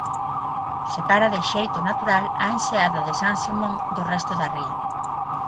Separa de xeito natural a enseada de San Simón do resto da ría.